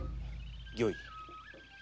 御意。